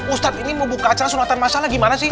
ustadz ini mau buka acara sunatan masalah gimana sih